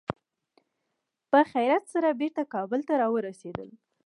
په خیریت سره بېرته کابل ته را ورسېدل.